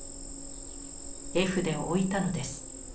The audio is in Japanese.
絵筆をおいたのです。